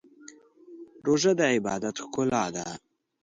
روژه د عبادت ښکلا ده.